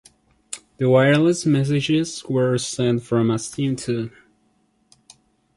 The wireless messages were sent from a steam tug.